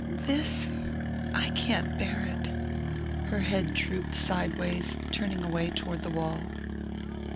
"This? I can't bear it...." Her head drooped sideways, turning away toward the wall.